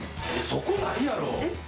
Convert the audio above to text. そこないやろ。